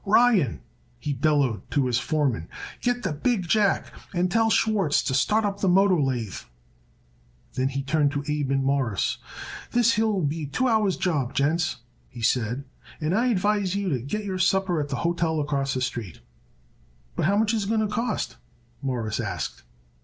"Ryan," he bellowed to his foreman, "get the big jack, and tell Schwartz to start up the motor lathe." Then he turned to Abe and Mawruss. "This here'll be a two hours' job, gents," he said, "and I advise you to get your supper at the hotel acrosst the street." "But how much is it going to cost us?" Morris asked.